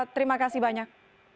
terima kasih banyak